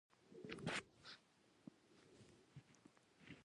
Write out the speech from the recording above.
زه نه غواړم چې سرحد ته مو بېرته واپس کړي.